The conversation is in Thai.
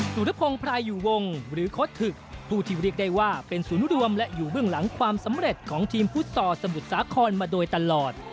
สุรพงศ์พรายอยู่วงหรือโค้ดถึกผู้ที่เรียกได้ว่าเป็นศูนย์รวมและอยู่เบื้องหลังความสำเร็จของทีมพุทธต่อสมุทรสาครมาโดยตลอด